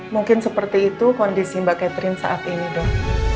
mungkin seperti itu kondisi mbak catherine saat ini dok